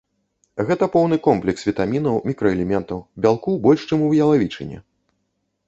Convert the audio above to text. Гэта поўны комплекс вітамінаў, мікраэлементаў, бялку больш, чым у ялавічыне.